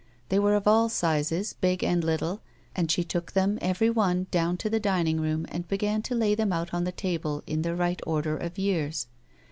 They were of all sizes, big and little, and she took them every one down to the dining room and began to lay them out on the table in the right order of years.